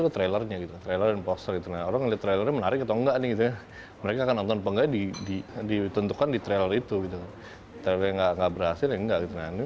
teror itu terornya gak berhasil ya enggak